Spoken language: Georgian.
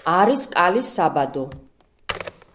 არის კალის საბადო.